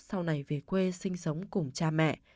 sau này về quê sinh sống cùng cha mẹ